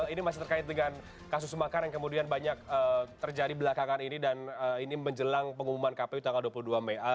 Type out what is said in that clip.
ini masih terkait dengan kasus makar yang kemudian banyak terjadi belakangan ini dan ini menjelang pengumuman kpu tanggal dua puluh dua mei